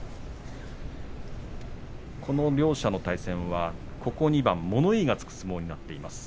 この両者の対戦はここ２番、物言いがつく相撲になっています。